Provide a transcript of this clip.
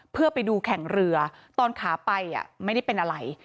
เพื่อไปดูแข่งเรือตอนขาไปไม่ได้เป็นอะไร